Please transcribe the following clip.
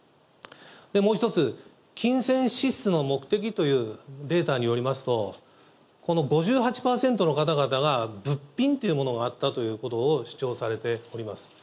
もう一つ、金銭支出の目的というデータによりますと、この５８％の方々が、物品というものがあったということを主張されております。